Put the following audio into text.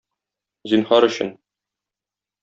Зинһар өчен.